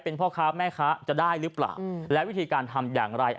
เป็นพ่อค้าแม่ค้าจะได้หรือเปล่าและวิธีการทำอย่างไร